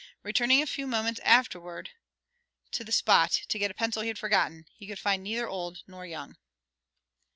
Returning a few moments afterward to the spot to get a pencil he had forgotten, he could find neither old nor young.